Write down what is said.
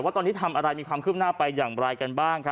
ว่าตอนนี้ทำอะไรมีความคืบหน้าไปอย่างไรกันบ้าง